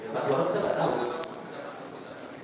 passwordnya kita tidak tahu